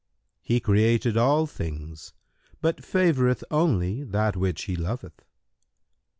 "—"He created all things, but favoureth only that which he loveth."